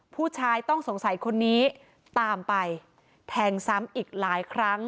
ผู้ชายต้องสงสัยคนนี้ตามไปแทงซ้ำอีกหลายครั้ง